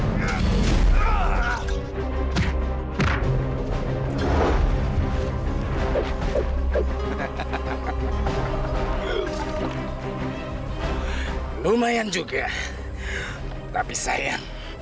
saya masih mereka yang meniv ujar memirarea